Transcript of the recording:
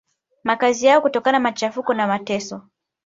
makazi yao kutokana na machafuko na mateso